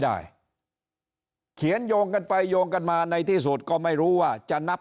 ได้เขียนโยงกันไปโยงกันมาในที่สุดก็ไม่รู้ว่าจะนับ